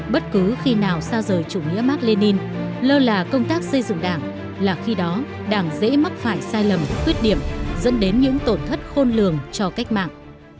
bất cứ khi nào xa rời chủ nghĩa mark lenin lơ là công tác xây dựng đảng là khi đó đảng dễ mắc phải sai lầm khuyết điểm dẫn đến những tổn thất khôn lường cho cách mạng